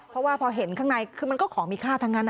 เพราะว่าพอเห็นข้างในคือมันก็ของมีค่าทั้งนั้น